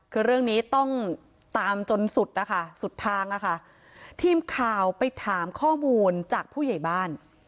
คือเรื่องนี้ต้องตามจนสุดนะคะสุดทางอะค่ะทีมข่าวไปถามข้อมูลจากผู้ใหญ่บ้าน